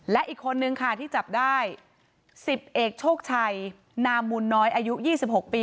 และอีกคนนึงค่ะที่จับได้๑๐เอกโชคชัยนามูลน้อยอายุ๒๖ปี